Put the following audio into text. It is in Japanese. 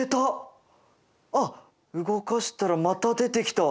あっ動かしたらまた出てきた！